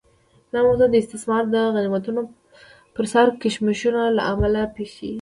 دا موضوع د استعمار د غنیمتونو پر سر کشمکشونو له امله پېښه شي.